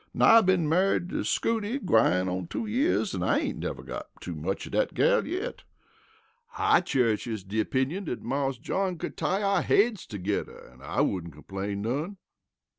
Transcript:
Now I been married to Scootie gwine on two year an' I ain't never got too much of dat gal yit. I cherishes de opinion dat Marse John could tie our heads togedder an' I wouldn't complain none."